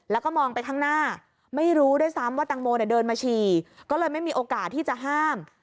แล้วก็มองไปข้างหน้าไม่รู้ด้วยซ้ำว่าตังโมเนี่ยเดินมาฉี่ก็เลยไม่มีโอกาสที่จะห้าม